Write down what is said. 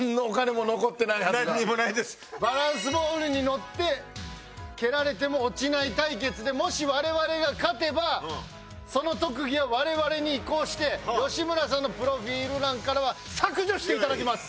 バランスボールに乗って蹴られても落ちない対決でもし我々が勝てばその特技は我々に移行して吉村さんのプロフィール欄からは削除していただきます。